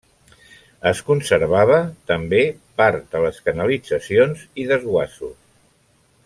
Es conservava, també, part de les canalitzacions i desguassos.